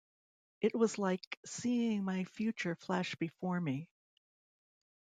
It was like seeing my future flash before me.